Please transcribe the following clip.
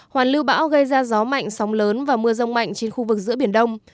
hoàn lưu bão gây ra gió mạnh sóng lớn và mưa rông mạnh trên khu vực giữa biển đông